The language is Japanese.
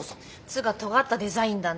つうかとがったデザインだね。